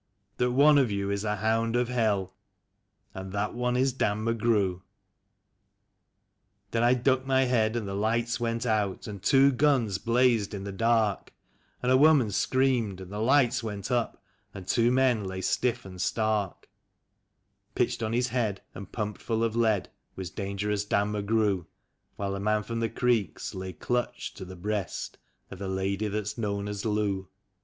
That one of you is a hound of hell ... and that one is Dan McGrew." Then I ducked my head, and the lights went out, and two guns blazed in the dark; And a woman screamed, and the lights went up, and two men lay stiff and stark ; Pitched on his head, and pumped full of lead, was Dan gerous Dan McGrew, While the man from the creeks lay clutched to the breast of the lady that's known as Lou.